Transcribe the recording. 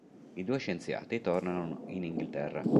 I due scienziati tornano in Inghilterra.